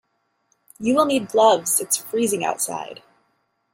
You will need gloves; it's freezing outside.